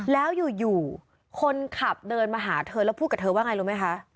แล้วอยู่คนขับเดินมาหาเธอแล้วพูดกับเธอว่าไงรู้ไหมคะ